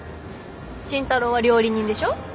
慎太郎は料理人でしょ？